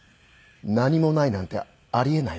何もないなんてありえないわね。